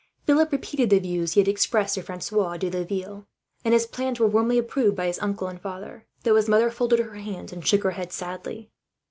Philip repeated the views he had expressed to Francois de Laville, and his plans were warmly approved by his uncle and father; though his mother folded her hands, and shook her head sadly.